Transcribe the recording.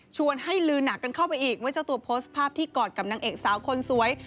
ให้ลือหนักกันเข้าไปอีกว่าเจ้าตัวโพสต์ภาพที่กอดกับนางเอกสาวคนสวย